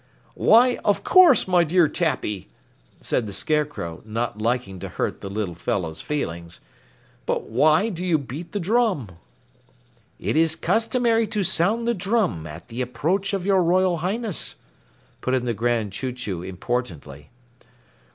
"Why, of course, my dear Tappy," said the Scarecrow, not liking to hurt the little fellow's feelings. "But why do you beat the drum?" "It is customary to sound the drum at the approach of your Royal Highness," put in the Grand Chew Chew importantly.